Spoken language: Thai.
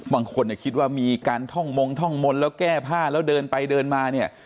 บางคนคิดว่ามีการท่องมงท่องมนต์แล้วแก้ผ้าแล้วเดินไปเดินมาเนี่ย